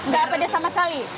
gak pedes sama sekali